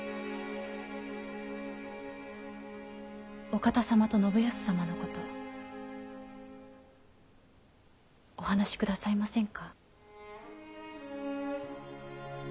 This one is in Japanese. お方様と信康様のことお話しくださいませんか？